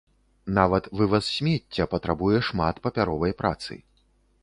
Нават вываз смецця патрабуе шмат папяровай працы.